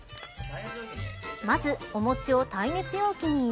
まず、お餅を耐熱容器に入れ